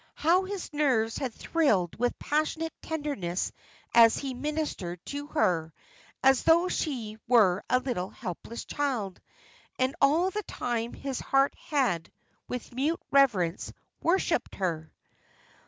How his nerves had thrilled with passionate tenderness as he ministered to her, as though she were a little helpless child! And all the time his heart had, with mute reverence, worshipped her.